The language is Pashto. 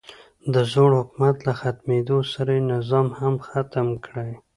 د زوړ حکومت له ختمېدو سره یې نظام هم ختم کړی.